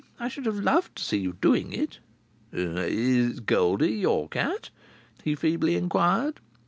I should have loved to see you doing it." "Is Goldie your cat?" he feebly inquired.